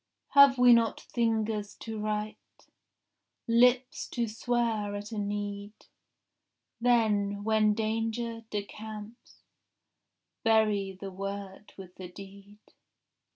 Have we not fingers to write, Lips to swear at a need? Then, when danger decamps, Bury the word with the deed.